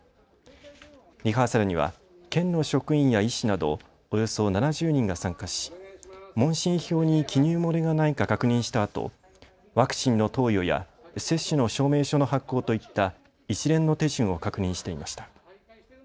リハーサルには県の職員や医師などおよそ７０人が参加し、問診票に記入漏れがないか確認したあとワクチンの投与や接種の証明書の発行といった一連の手順を確認していました。